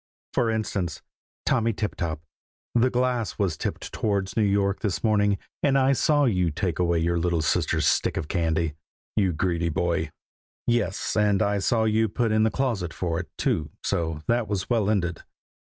For instance, Tommy Tiptop, the glass was tipped towards New York this morning, and I saw you take away your little sister's stick of candy, you greedy boy! Yes, and I saw you put in the closet for it, too, so that was well ended.